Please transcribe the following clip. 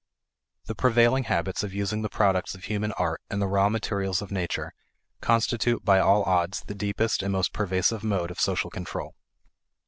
The prevailing habits of using the products of human art and the raw materials of nature constitute by all odds the deepest and most pervasive mode of social control.